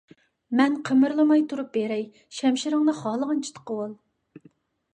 مەن قىمىرلىماي تۇرۇپ بېرەي، شەمشىرىڭنى خالىغانچە تىقىۋال!